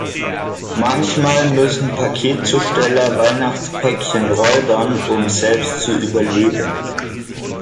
Manchmal müssen Paketzusteller Weihnachtspäckchen räubern, um selbst zu überleben.